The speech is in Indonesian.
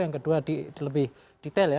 yang kedua lebih detail ya